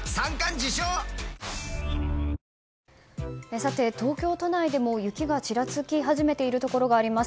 さて、東京都内でも雪がちらつき始めているところがあります。